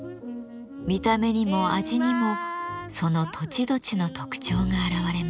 見た目にも味にもその土地土地の特徴が現れます。